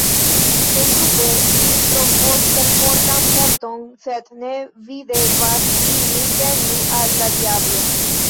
Sendube, ili trovos perfortan morton, sed ne vi devas ilin sendi al la diablo.